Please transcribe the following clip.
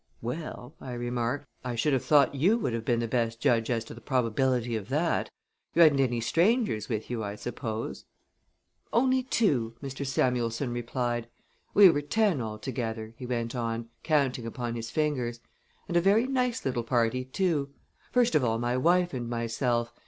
"Well," I remarked, "I should have thought you would have been the best judge as to the probability of that. You hadn't any strangers with you, I suppose?" "Only two," Mr. Samuelson replied. "We were ten, altogether," he went on, counting upon his fingers "and a very nice little party too. First of all my wife and myself.